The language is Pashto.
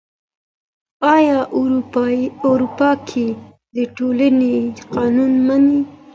آيا اورپکي د ټولنې قانون مني؟